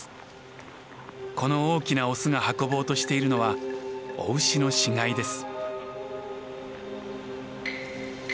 この大きなオスが運ぼうとしているのは雄牛の死骸です。